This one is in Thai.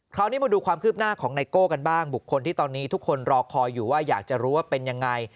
คราวนี้มาดูความคืบหน้าของไนโก้กันบ้างบุคคลที่ตอนนี้ทุกคนรอคอยอยู่ว่าอยากจะรู้ว่าเป็นยังไง